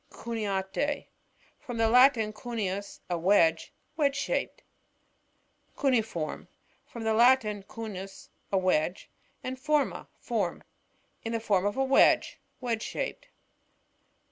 Cuneate.— From the Latin, cuneus, a wedge ; wedge shaped. Cuneiform. — From the Latin, etfn«v«, a wedge, and /ormo, form. In the form of a wedge; wedge shaped.